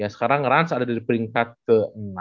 sekarang rans ada di peringkat ke enam